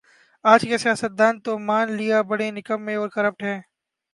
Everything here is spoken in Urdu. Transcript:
آج کے سیاستدان تو مان لیا بڑے نکمّے اورکرپٹ ہیں